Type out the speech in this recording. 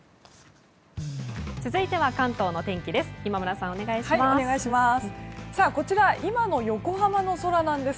続いては関東のお天気です。